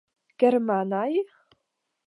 Germanaj?